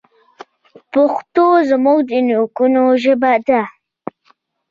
پښتو زموږ د نیکونو ژبه ده.